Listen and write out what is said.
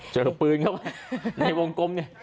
เจอปืนครับในวงกลมเนี่ย